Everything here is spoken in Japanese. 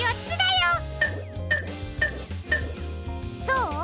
どう？